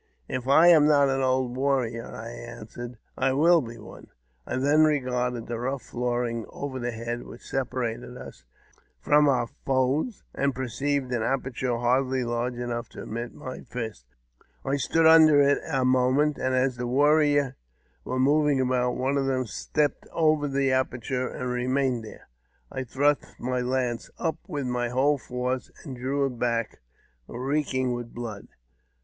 If I am not an old warrior," I answered, " I will be one I then regarded the rough flooring over head, which separated us from our foes, and perceived an aperture hardly large enough to admit my fist. I stood under it a moment, and as the warriors were moving about, one of them stepped over the aperture and remained there. I thrust my lance up with my whole force, and drew it back reeking with blood.